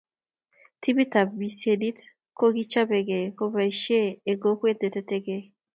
Timit ab misienit kokichopke ko kepoisie eng kokwet ne tetekei